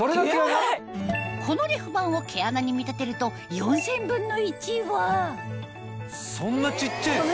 このレフ板を毛穴に見立てると４０００分の１はそんな小っちゃいの？